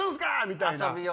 みたいな。